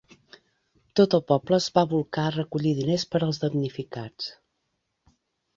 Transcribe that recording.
Tot el poble es va bolcar a recollir diners per als damnificats.